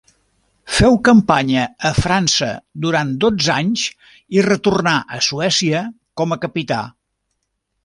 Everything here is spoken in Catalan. Feu campanya a França durant dotze anys i retornà a Suècia com a capità.